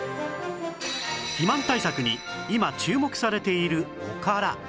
肥満対策に今注目されているおから